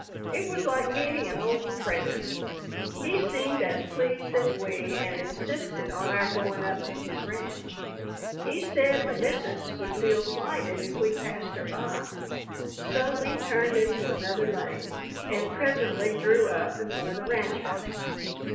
It was like meeting an old friend; he seemed as pleased as we and insisted on our going up to his ranch; he said "the missus" would feel slighted if we passed her by. So we turned into another lane, and presently drew up before the ranch house.